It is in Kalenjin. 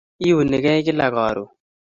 Iunigei kila karon